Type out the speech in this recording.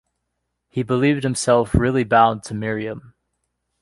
He believed himself really bound to Miriam.